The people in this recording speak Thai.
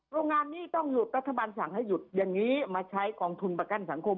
โรงงานนี้ต้องหยุดรัฐบาลสั่งให้หยุดอย่างนี้มาใช้กองทุนประกันสังคม